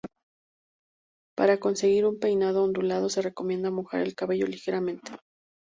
Para conseguir un peinado ondulado se recomienda mojar el cabello ligeramente.